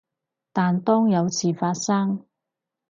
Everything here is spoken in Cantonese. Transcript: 但當有事發生